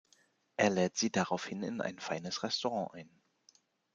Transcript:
Er lädt sie daraufhin in ein feines Restaurant ein.